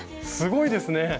すごいですね！